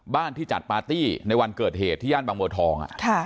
บ้านที่จัดปาร์ตี้ในวันเกิดเหตุที่ย่านบังเวิร์ดทองอ่ะค่ะ